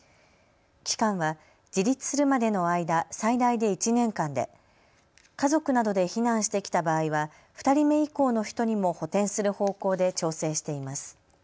期間は自立するまでの間最大で１年間で家族などで避難してきた場合は２人目以降の人にも補填する方向で調整しています。